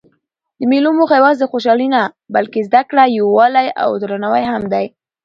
د مېلو موخه یوازي خوشحالي نه؛ بلکې زدکړه، یووالی او درناوی هم دئ.